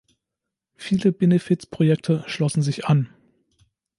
Viele Benefiz-Projekte schlossen sich an.